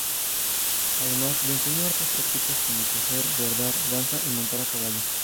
Además le enseñó artes prácticas como coser, bordar, danza y montar a caballo.